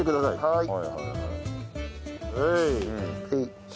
はい。